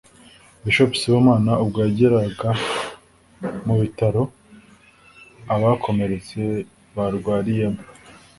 Bishop Sibomana ubwo yageraga mu bitaro abakomeretse barwariyemo